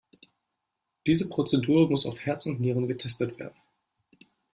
Diese Prozedur muss auf Herz und Nieren getestet werden.